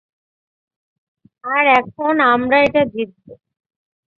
আর এখন, আমরা এটা জিতবো।